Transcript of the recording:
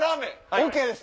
ＯＫです！